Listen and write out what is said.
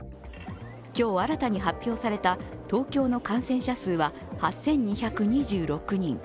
今日、新たに発表された東京の感染者数は８２２６人。